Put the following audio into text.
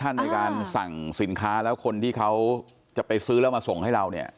ในการสั่งสินค้าแล้วคนที่เขาจะไปซื้อแล้วมาส่งให้เราเนี่ย